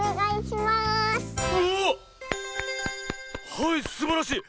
はいすばらしい！